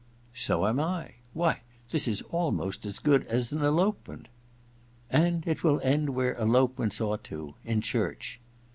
* So am I. Why, this is almost as good as an elopement.' * And it will end where elopements ought to— in church.'